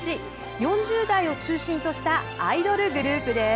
４０代を中心としたアイドルグループです。